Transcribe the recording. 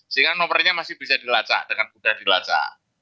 sehingga nomernya masih bisa dilacak dengan mudah dilacak